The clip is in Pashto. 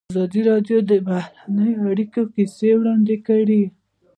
ازادي راډیو د بهرنۍ اړیکې کیسې وړاندې کړي.